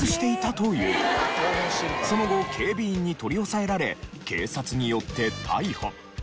その後警備員に取り押さえられ警察によって逮捕。